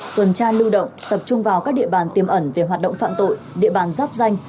tuần tra lưu động tập trung vào các địa bàn tiêm ẩn về hoạt động phạm tội địa bàn giáp danh